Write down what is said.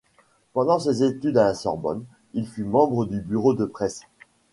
Pendant ses études à la Sorbonne, il fut membre du bureau de presse.